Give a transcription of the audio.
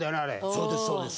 そうですそうです。